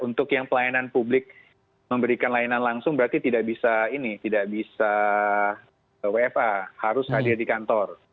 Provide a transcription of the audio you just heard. untuk yang pelayanan publik memberikan layanan langsung berarti tidak bisa ini tidak bisa wfa harus hadir di kantor